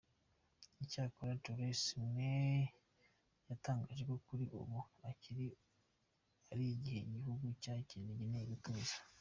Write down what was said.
Icyakora Theresa May yatangaje ko kuri ubu iki ari igihe igihugu cye gikeneye gutuza.